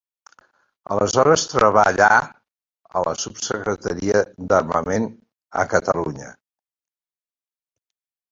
Aleshores treballà a la Subsecretaria d'Armament a Catalunya.